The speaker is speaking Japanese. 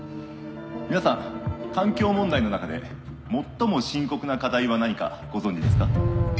皆さん環境問題の中で最も深刻な課題は何かご存じですか？